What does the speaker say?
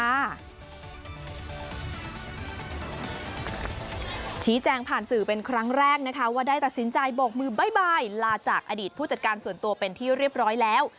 ชี้แจงผ่านสื่อเป็นครั้งแรกนะคะว่าได้ตัดสินใจโบกมือบ๊ายบายลาจากอดีตผู้จัดการส่วนตัวเป็นที่เรียบร้อยแล้ว